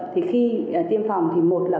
thì khi tiêm phòng thì một là